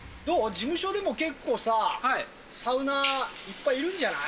事務所でも結構さ、サウナーいっぱいいるんじゃない？